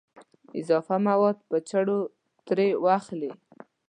اضافه مواد په چړو ترې اخلي.